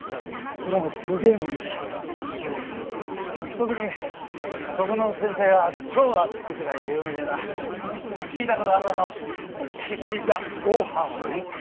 特にここの先生は超が付くくらい有名でな聞いたことあるだろ「岸田ゴハン」って。